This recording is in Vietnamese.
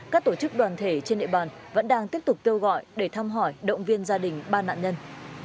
các tổ chức đoàn thể trên địa bàn vẫn đang tiếp tục kêu gọi để thăm hỏi động viên gia đình ba nạn nhân